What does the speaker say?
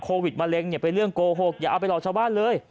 โควิดมะเร็งเป็นเรื่องโกหกอย่าเอาไปรอชาวบ้านเลย